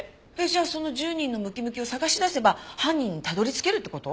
じゃあその１０人のムキムキを捜し出せば犯人にたどり着けるって事？